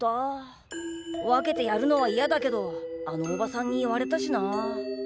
分けてやるのはいやだけどあのおばさんに言われたしな。